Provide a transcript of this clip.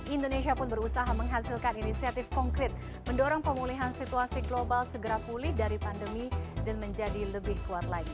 indonesia pun berusaha menghasilkan inisiatif konkret mendorong pemulihan situasi global segera pulih dari pandemi dan menjadi lebih kuat lagi